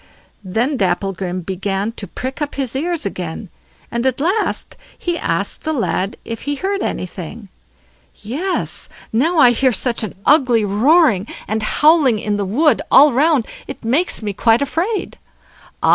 Then Dapplegrim began to prick up his ears again, and at last he asked the lad if he heard anything? "Yes! now I hear such an ugly roaring and howling in the wood all round, it makes me quite afraid." "Ah!"